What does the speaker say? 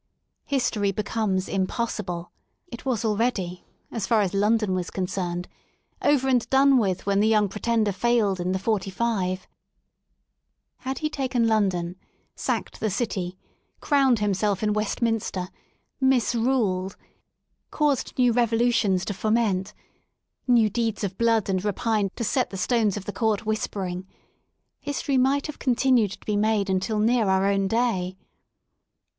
History" becomes impossible. It was al ready ^ as far as London was concerned, over and done with when the young Pre^ tender failed in the *45 Had he taken London, sacked the City, crowned himself in Westminster, misruled, caused new revolutions to foment, new deeds of blood and rapine to set the stones of the Court whispering, history might have continued to be made until near our own day.